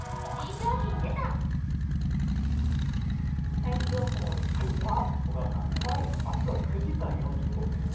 天気予報ですが小川さん、明日は９時間４５分です。